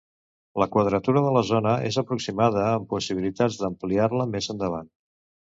La quadratura de la zona és aproximada amb possibilitat d'ampliar-la més endavant.